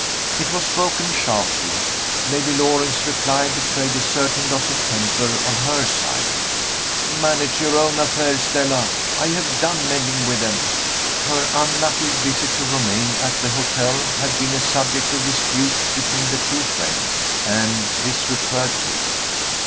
It was spoken sharply. Lady Loring's reply betrayed a certain loss of temper on her side. "Manage your own affairs, Stella I have done meddling with them." Her unlucky visit to Romayne at the hotel had been a subject of dispute between the two friends and this referred to it.